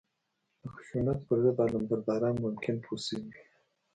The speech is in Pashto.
د خشونت پر ضد علمبرداران ممکن پوه شوي وي